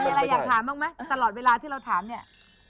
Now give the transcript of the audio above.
มีอะไรอยากถามบ้างไหมตลอดเวลาที่เราถามเนี่ย